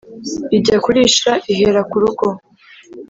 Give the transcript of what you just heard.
ijya kurisha ihera ku rugo.